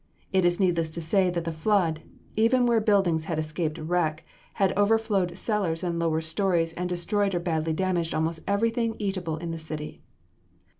It is needless to say that the flood, even where buildings had escaped wreck, had overflowed cellars and lower stories and destroyed or badly damaged almost everything eatable in the city.